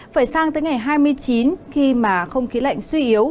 phải sang tới ngày hai mươi chín khi mà không khí lạnh suy yếu